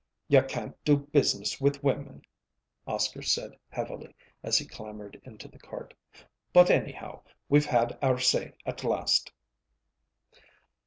"You can't do business with women," Oscar said heavily as he clambered into the cart. "But anyhow, we've had our say, at last."